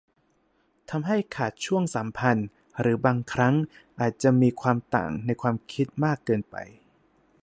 ทำให้ขาดช่วงสัมพันธ์หรือบางครั้งอาจจะมีความต่างในความคิดมากเกินไป